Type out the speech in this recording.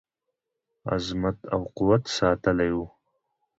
عظمت او قوت ساتلی وو.